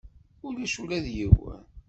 Ulac ula d yiwen.